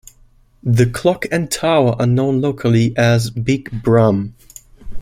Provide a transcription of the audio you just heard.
The clock and tower are known locally as, "Big Brum".